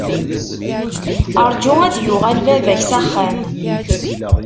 Rju a d-yuɣal baba-k s axxam.